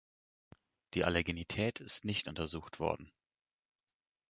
Die Allergenität ist nicht untersucht worden.